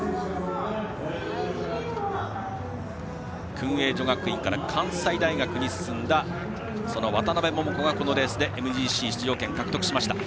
薫英女学院から関西大学に進んだその渡邉桃子が、このレースでＭＧＣ出場権獲得しました。